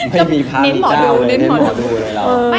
ไม่มีพระมีเจ้าเลยเด้นหมอดูเลย